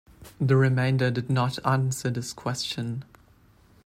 The remainder did not answer this question.